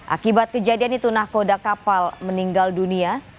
akibat kejadian itu nakoda kapal meninggal dunia